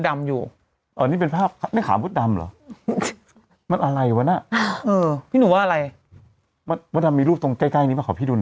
มีภาพนี้พี่หนุ่มารักกับเกดดู